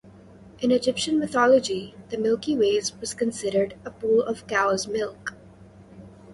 In Egyptian mythology, the Milky Way was considered a pool of cow's milk.